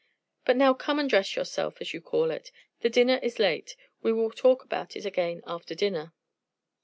"But now come and dress yourself, as you call it. The dinner is late. We will talk about it again after dinner."